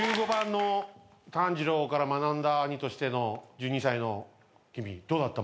１５番の炭治郎から学んだ兄としての１２歳の君。